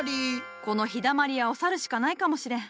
この「陽だまり屋」を去るしかないかもしれん。